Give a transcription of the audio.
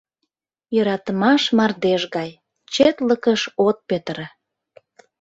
Йӧратымаш мардеж гай — четлыкыш от петыре.